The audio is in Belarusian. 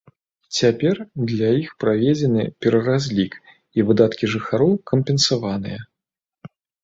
Цяпер для іх праведзены пераразлік, і выдаткі жыхароў кампенсаваныя.